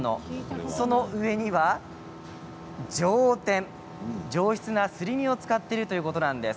その上には、上天上質なすり身を使っているということなんです。